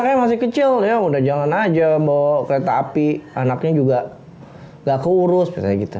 orang yang masih kecil ya udah jalan aja bawa kereta api anaknya juga gak keurus misalnya gitu